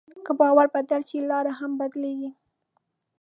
که باور بدل شي، لاره هم بدلېږي.